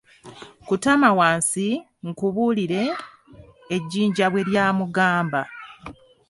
Kutama wansi, nkubulire, ejinja bwe ly'amugamba.